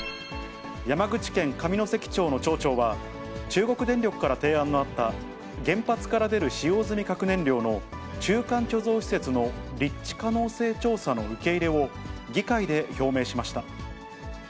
山口県上関町の町長は、中国電力から提案のあった原発から出る使用済み核燃料の中間貯蔵施設の立地可能性調査の受け入れを議会で表明しました。